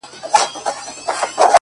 مرغۍ الوتې وه، خالي قفس ته ودرېدم ،